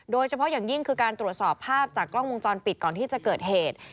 โดยเฉพาะอย่างยิ่งคือการตรวจสอบภาพจากกล้องวงจรปิดก่อนที่จะเกิดเหตุ